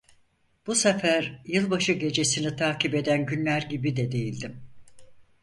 Bu sefer, yılbaşı gecesini takip eden günler gibi de değildim.